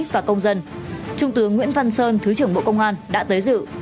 và công dân trung tướng nguyễn văn sơn thứ trưởng bộ công an đã tới dự